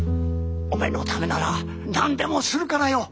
お前のためなら何でもするからよ。